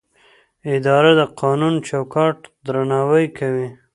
اداره د قانوني چوکاټ درناوی کوي.